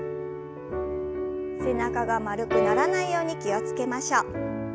背中が丸くならないように気を付けましょう。